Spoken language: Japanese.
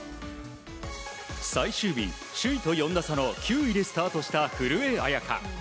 最終日、首位と４打差の９位でスタートした古江彩佳。